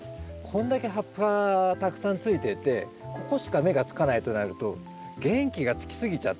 こんだけ葉っぱがたくさんついててここしか芽がつかないとなると元気がつきすぎちゃって。